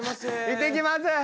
行ってきます。